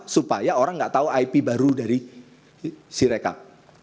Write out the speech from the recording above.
supaya orang nggak tahu ip baru dari sirekap